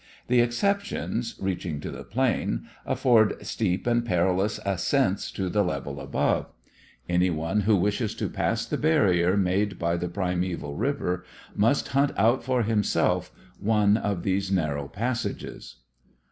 The exceptions, reaching to the plain, afford steep and perilous ascents to the level above. Anyone who wishes to pass the barrier made by the primeval river must hunt out for himself one of these narrow passages.